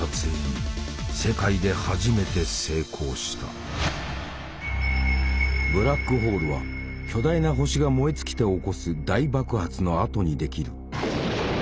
光年先のブラックホールは巨大な星が燃え尽きて起こす大爆発のあとにできる。